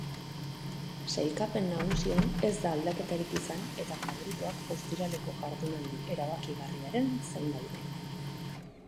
Sailkapen nagusian ez da aldaketarik izan eta faboritoak ostiraleko jardunaldi erabakigarriaren zain daude.